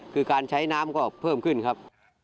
คือการใช้น้ำก็เพิ่มขึ้นครับ